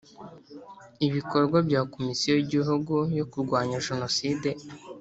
I bikorwa bya komisiyo y igihugu yo kurwanya jenoside